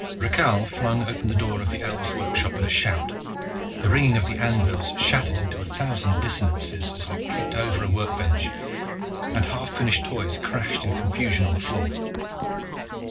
Rakhal flung open the door of the elves' workshop with a shout. The ringing of the anvils shattered into a thousand dissonances as I kicked over a workbench and half finished Toys crashed in confusion to the floor.